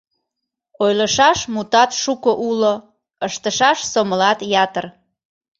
Ойлышаш мутат шуко уло, ыштышаш сомылат ятыр.